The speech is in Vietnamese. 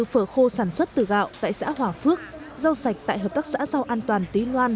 phở khô sản xuất từ gạo tại xã hòa phước rau sạch tại hợp tác xã rau an toàn tý loan